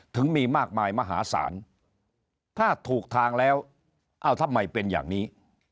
ถึงมีมากมายมหาศาลถ้าถูกทางแล้วเอ้าทำไมเป็นอย่างนี้